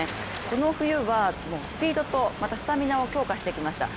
この冬は、スピードとスタミナを強化してきました。